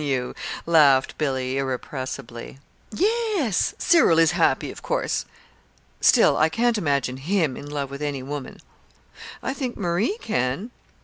"Can you?" laughed Billy, irrepressibly. "Yes. Cyril is happy, of course. Still, I can't imagine him in love with any woman." "I think Marie can."